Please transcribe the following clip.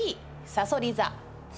さそり座？